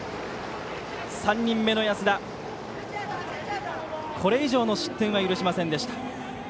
３人目の安田これ以上の失点は許しませんでした。